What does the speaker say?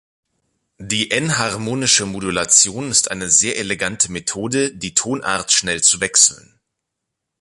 Die enharmonische Modulation ist eine sehr elegante Methode, die Tonart schnell zu wechseln.